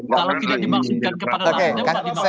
kalau tidak dimaksudkan kepada nasdem